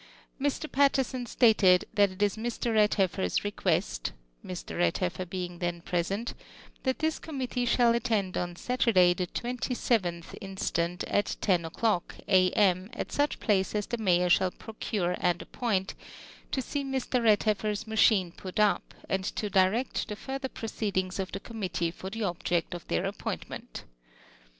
Mr. Piitterson stated, th.at it is Mr. Redheffer's request (Mr. RedhefFer being then present) that this comiuittee shall attend on Saturday, tlie 27th instant at 10 o'clock, A. M. at such place as the Mayor shall procure and appoint, to see Mr. Redhef fer's maclilne put up; and to direct tlic further proceedings of the committee for the object of their apiK)intmeiit.